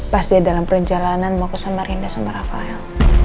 pas dia dalam perjalanan mau ke semarinda semar rafael